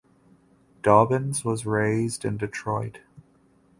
Dobbins was raised in Detroit.